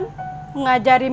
mimin kan mau belajar ngaji